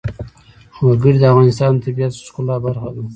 وګړي د افغانستان د طبیعت د ښکلا برخه ده.